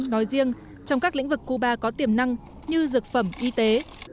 nói riêng trong các lĩnh vực cuba có tiềm năng như dược phẩm y tế